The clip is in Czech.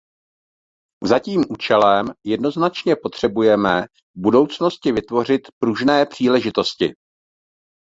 Za tím účelem jednoznačně potřebujeme v budoucnosti vytvořit pružné příležitosti.